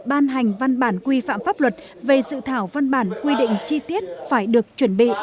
ban hành văn bản quy phạm pháp luật về dự thảo văn bản quy định chi tiết phải được chuẩn bị